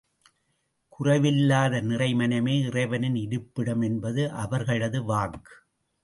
குறைவில்லாத நிறை மனமே, இறைவனின் இருப்பிடம் என்பது அவர்களது வாக்கு.